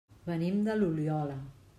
Venim d'Oliola.